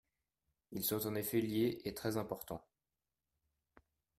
Ils sont en effet liés, et très importants.